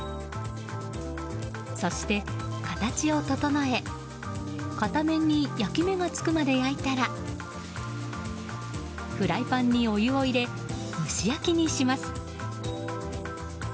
そして形を整え片面に焼き目がつくまで焼いたらフライパンにお湯を入れ蒸し焼きにします。